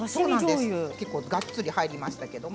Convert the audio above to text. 結構がっつり入りましたけれども。